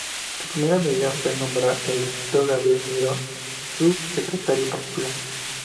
Su primera medida fue nombrar al escritor Gabriel Miró su secretario particular.